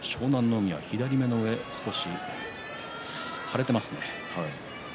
海は左の目の上、少し腫れていますね。